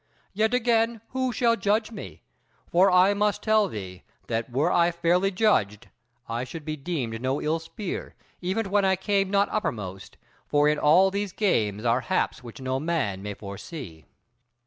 Yet again, who shall judge me? for I must tell thee, that were I fairly judged, I should be deemed no ill spear, even when I came not uppermost: for in all these games are haps which no man may foresee."